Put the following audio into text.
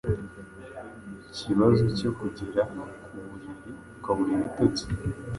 kibazo cyo kugera ku buriri ukabura ibitotsi,